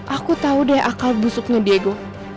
aku tau deh akal busuknya dego